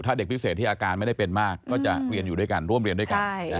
ถ้าเด็กพิเศษที่อาการไม่ได้เป็นมากก็จะเรียนอยู่ด้วยกันร่วมเรียนด้วยกัน